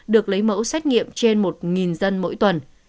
được lấy mẫu xét nghiệm trên một dân mỗi tuần